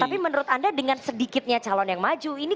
tapi menurut anda dengan sedikitnya calon yang maju ini